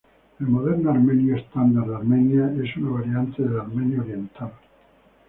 El moderno armenio estándar de Armenia es una variante de armenio oriental.